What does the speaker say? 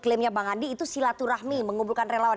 klaimnya bang andi itu silaturahmi mengumpulkan relawan